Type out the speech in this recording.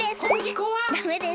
ダメです。